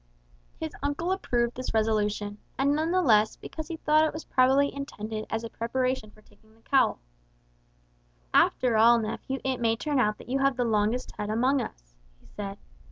His uncle approved this resolution; and none the less, because he thought it was probably intended as a preparation for taking the cowl. "After all, nephew, it may turn out that you have the longest head amongst us," he said.